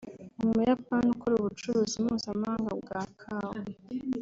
Umuyapani ukora ubucuruzi mpuzamahanga bwa kawa